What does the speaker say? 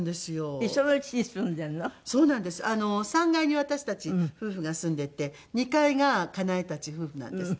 ３階に私たち夫婦が住んでいて２階が雅奈恵たち夫婦なんです。